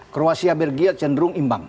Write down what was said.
kroasia belgia cenderung imbang